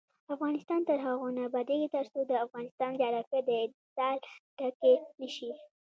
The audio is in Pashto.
افغانستان تر هغو نه ابادیږي، ترڅو د افغانستان جغرافیه د اتصال ټکی نشي.